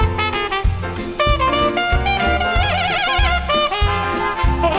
สวัสดีครับ